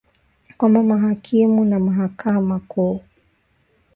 kwamba mahakimu wa Mahakama Kuu